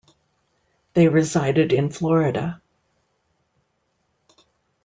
They resided in Florida.